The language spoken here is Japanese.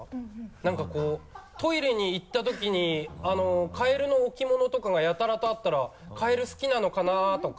なんかこうトイレに行ったときにカエルの置物とかがやたらとあったらカエル好きなのかな？とか。